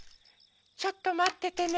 ちょっとまっててね。